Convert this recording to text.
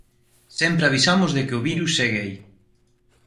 Sempre avisamos de que o virus segue aí.